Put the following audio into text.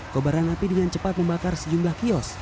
kobaran api dengan cepat membakar sejumlah kios